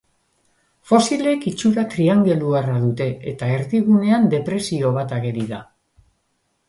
Fosilek itxura triangeluarra dute eta erdigunean depresio bat ageri da.